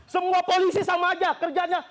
semua polisi sama aja kerjanya